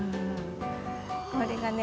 これがね